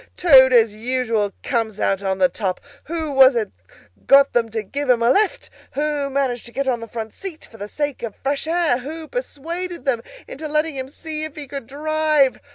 Toad, as usual, comes out on the top! Who was it got them to give him a lift? Who managed to get on the front seat for the sake of fresh air? Who persuaded them into letting him see if he could drive?